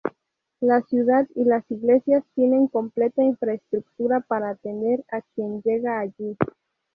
La ciudad y las iglesias tienen completa infraestructura para atender a quien llega allí.